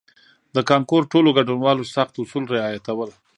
د کانکور ټولو ګډونوالو سخت اصول رعایتول.